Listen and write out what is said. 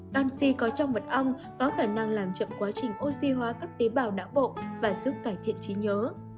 tanxi có trong mật ong có khả năng làm chậm quá trình oxy hóa các tế bào não bộ và giúp cải thiện trí nhớ